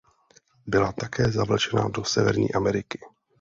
Byla také zavlečena do Severní Ameriky.